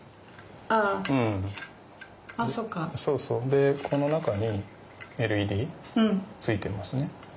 でこの中にＬＥＤついてますね。